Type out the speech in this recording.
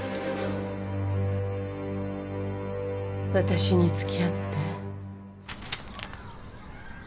私に付き合って。